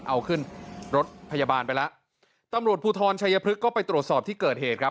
เอาขึ้นรถพยาบาลไปแล้วตำรวจภูทรชัยพฤกษ์ก็ไปตรวจสอบที่เกิดเหตุครับ